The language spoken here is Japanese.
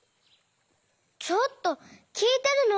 ちょっときいてるの？